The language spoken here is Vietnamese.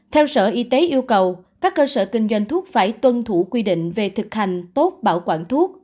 theo sở y tế yêu cầu các cơ sở kinh doanh thuốc phải tuân thủ quy định về thực hành tốt bảo quản thuốc